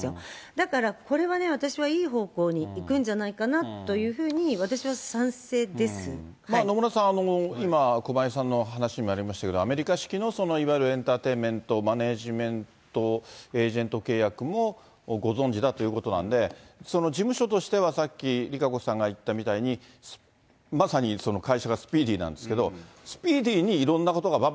だからこれはね、私はいい方向に行くんじゃないかなというふうに、野村さん、今、駒井さんの話にもありましたけど、アメリカ式のいわゆるエンターテインメント、マネジメント、エージェント契約もご存じだということなんで、その事務所としてはさっきＲＩＫＡＣＯさんが言ったみたいに、まさにその会社がスピーディなんですけど、スピーディーにいろんなことがばん